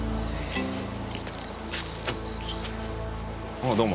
ああどうも。